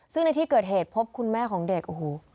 ซึ่งในที่เกิดเหตุพบคุณแม่ของเด็กโอ้โห